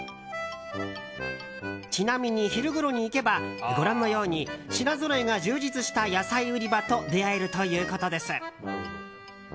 ちなみに昼ごろに行けばご覧のように品揃えが充実した野菜売り場と出会えるということです。